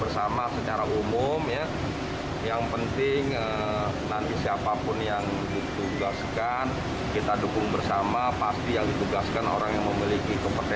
sehingga pemahaman yang baik